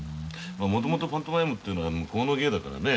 もともとパントマイムというのは向こうの芸だからね。